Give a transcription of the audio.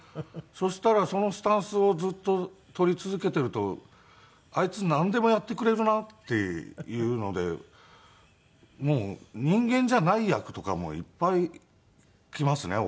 そしたらそのスタンスをずっと取り続けているとあいつなんでもやってくれるなっていうのでもう人間じゃない役とかもいっぱい来ますねオファーで。